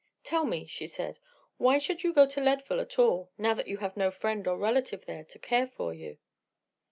"Tell me," she said; "why should you go to Leadville at all, now that you have no friend or relative there to care for you?"